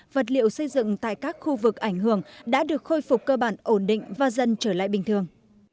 vật liệu xây dựng tại các khu vực ảnh hưởng đã được khôi phục cơ bản ổn định và dân trở lại bình thường